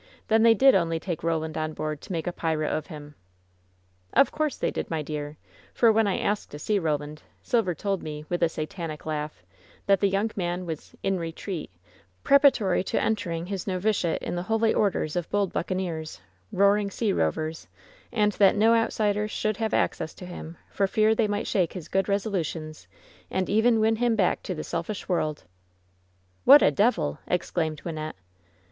Then they did only take Eoland on board to make a pirate of him!'* "Of course they did, my dear; for when I asked to see Roland, Silver told me, with a satanic laugh, that the young man was 4n retreat,' preparatory to entering his novitiate in the holy orders of bold buccaneers, roaring sea rovers, and that no outsiders should have access to him, for fear they might shake his good resolutions and even win him back to the selfish world." "What a devil !" exclaimed Wynnette.